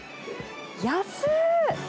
安い。